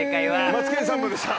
『マツケンサンバ』でした。